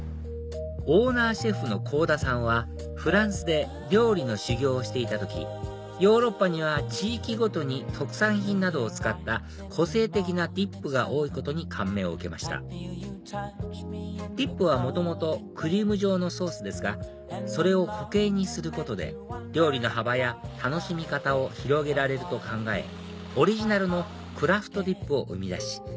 オーナーシェフの甲田さんはフランスで料理の修業をしていた時ヨーロッパには地域ごとに特産品などを使った個性的なディップが多いことに感銘を受けましたディップは元々クリーム状のソースですがそれを固形にすることで料理の幅や楽しみ方を広げられると考えオリジナルのクラフトディップを生み出し